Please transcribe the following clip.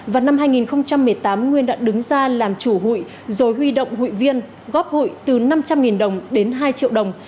vào năm hai nghìn một mươi tám nguyên đã đứng ra làm chủ hụi rồi huy động hội viên góp hụi từ năm trăm linh đồng đến hai triệu đồng